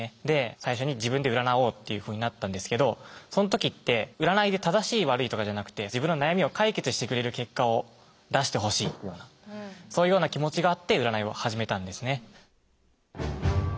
で最初に自分で占おうっていうふうになったんですけどそん時って占いで正しい悪いとかじゃなくて自分の悩みを解決してくれる結果を出してほしいっていうようなそういうような気持ちがあって占いを始めたんですね。